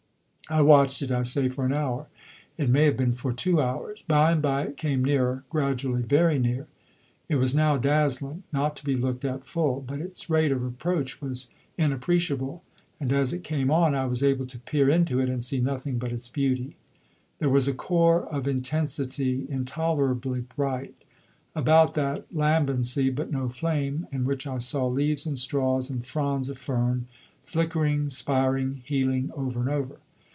I watched it, I say, for an hour: it may have been for two hours. By and by it came nearer, gradually very near. It was now dazzling, not to be looked at full; but its rate of approach was inappreciable, and as it came on I was able to peer into it and see nothing but its beauty. There was a core of intensity, intolerably bright; about that, lambency but no flame, in which I saw leaves and straws and fronds of fern flickering, spiring, heeling over and over.